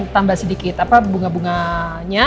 tambah sedikit bunga bunganya